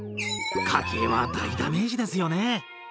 家計は大ダメージですよね。